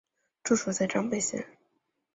治所在张北县。